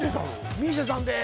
ＭＩＳＩＡさんです